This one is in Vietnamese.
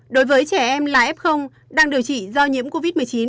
đối với trẻ em là f đang điều trị do nhiễm covid một mươi chín